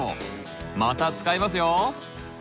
また使えますよ。